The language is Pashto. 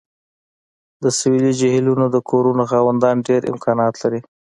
د سویلي جهیلونو د کورونو خاوندان ډیر امکانات لري